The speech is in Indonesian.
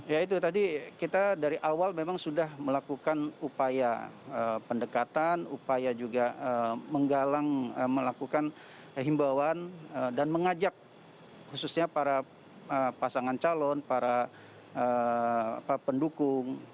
ya itu tadi kita dari awal memang sudah melakukan upaya pendekatan upaya juga menggalang melakukan himbauan dan mengajak khususnya para pasangan calon para pendukung